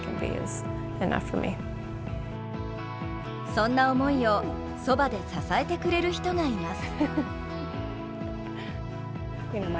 そんな思いをそばで支えてくれる人がいます。